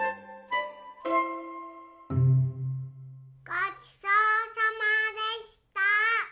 ごちそうさまでした！